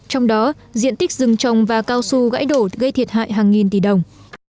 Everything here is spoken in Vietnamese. trong đó diện tích rừng trồng và cao su gãy đổ gây thiệt hại hàng nghìn tỷ đồng